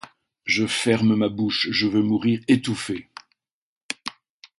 Je ferme ma bouche, je veux mourir étouffé!...